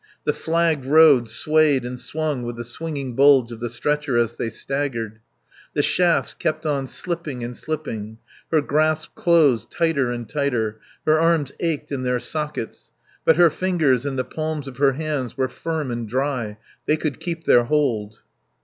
The flagged road swayed and swung with the swinging bulge of the stretcher as they staggered. The shafts kept on slipping and slipping; her grasp closed, tighter and tighter; her arms ached in their sockets; but her fingers and the palms of her hands were firm and dry; they could keep their hold.